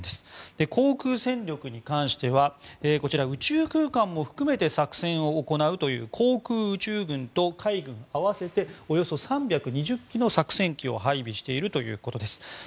航空戦力に関しては宇宙空間も含めて作戦を行うという航空宇宙軍と海軍合わせておよそ３２０機の作戦機を配備しているということです。